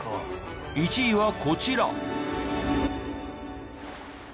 １位はこちら。